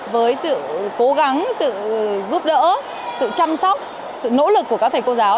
với sự cố gắng sự giúp đỡ sự chăm sóc sự nỗ lực của các thầy cô giáo